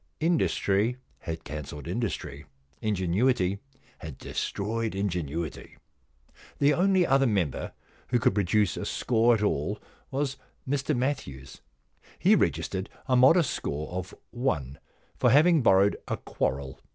Industry had cancelled industry ; ingenuity had destroyed ingenuity. The only other member who could produce a score at all was Mr Matthews. He regis tered a modest score of one for having borrowed a quarrel.